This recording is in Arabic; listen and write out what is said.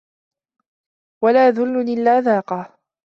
وَلَا ذُلٌّ إلَّا ذَاقَهُ